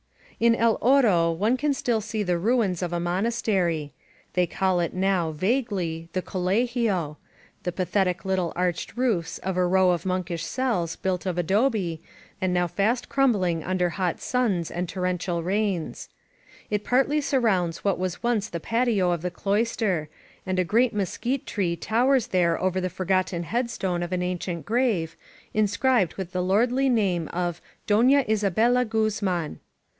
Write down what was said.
In El Oro one can still see the ruins of a monastery — they call it now, vaguely, the Collegio — the path etic little arched roofs of a row of monkish cells built of adobe, and now fast crumbling under hot suns and 308 LOS PASTORES torrential rains. It partly surrounds what was once the patio of the cloister, and a great mesquite tree towers there over the forgotten headstone of an ancient grave, inscribed with the lordly name of Dona Isabella Guz man.